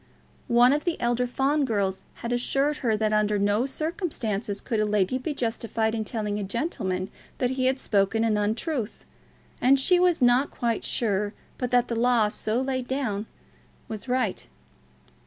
One of the elder Fawn girls had assured her that under no circumstances could a lady be justified in telling a gentleman that he had spoken an untruth, and she was not quite sure but that the law so laid down was right.